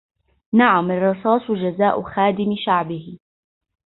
نعم الرصاص جزاء خادم شعبه